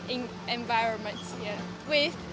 ini sangat berkawan dengan kita